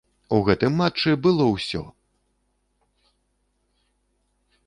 У гэтым матчы было ўсё.